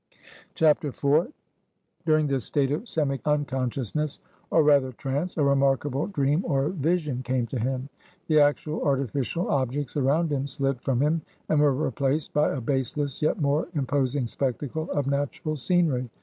IV. During this state of semi unconsciousness, or rather trance, a remarkable dream or vision came to him. The actual artificial objects around him slid from him, and were replaced by a baseless yet most imposing spectacle of natural scenery.